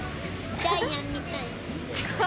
ジャイアンみたいに？